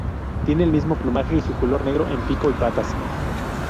Tiene el mismo plumaje y su color negro en pico y patas.